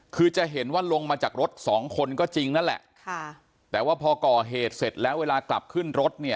คือจะเห็นว่าลงมาจากรถสองคนก็จริงนั่นแหละค่ะแต่ว่าพอก่อเหตุเสร็จแล้วเวลากลับขึ้นรถเนี่ย